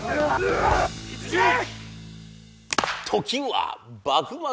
時は幕末。